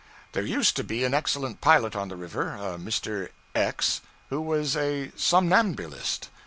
There used to be an excellent pilot on the river, a Mr. X., who was a somnambulist.